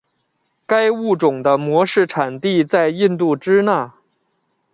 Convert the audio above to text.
该物种的模式产地在印度支那。